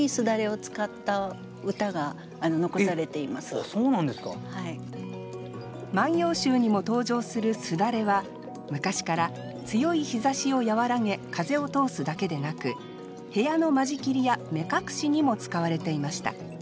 これそもそも「万葉集」にも登場する簾は昔から強い日ざしを和らげ風を通すだけでなく部屋の間仕切りや目隠しにも使われていました。